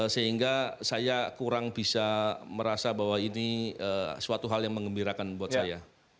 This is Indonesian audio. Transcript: sehingga saya kurang bisa merasa bahwa ini suatu hal yang mengembirakan buat saya